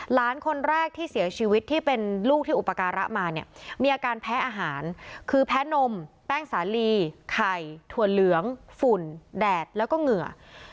หลานคนแรกที่เสียชีวิตที่เป็นลูกที่อุปการะมาเนี่ยมีอาการแพ้อาหารคือแพ้นมแป้งสาลีไข่ถั่วเหลืองฝุ่นแดดแล้วก็เหงื่อ